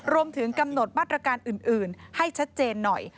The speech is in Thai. รวมถึงกำหนดมาตรการอื่นให้ชัดเจนหน่อย